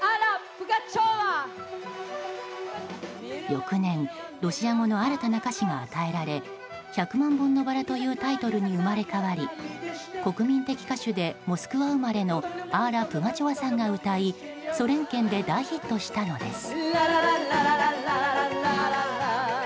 翌年、ロシア語の新たな歌詞が与えられ「百万本のバラ」というタイトルに生まれ変わり国民的歌手でモスクワ生まれのアーラ・プガチョワさんが歌いソ連圏で大ヒットしたのです。